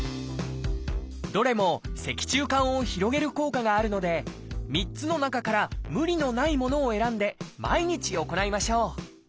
どれも脊柱管を広げる効果があるので３つの中から無理のないものを選んで毎日行いましょう。